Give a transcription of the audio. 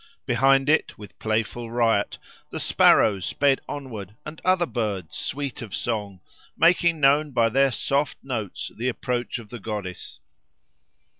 Behind it, with playful riot, the sparrows sped onward, and other birds sweet of song, making known by their soft notes the approach of the goddess.